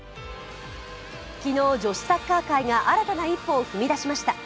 昨日、女子サッカー界が新たな一歩を踏み出しました。